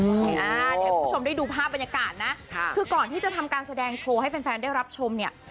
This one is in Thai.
เดี๋ยวคุณผู้ชมได้ดูภาพบรรยากาศนะคือก่อนที่จะทำการแสดงโชว์ให้แฟนได้รับชมเนี่ย